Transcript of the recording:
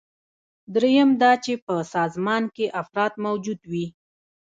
دریم دا چې په سازمان کې افراد موجود وي.